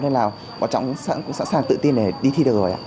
nên là bọn cháu cũng sẵn sàng tự tin để đi thi được rồi